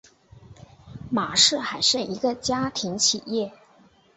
玛氏还是一个家庭企业。